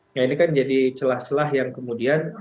nah ini kan jadi celah celah yang kemudian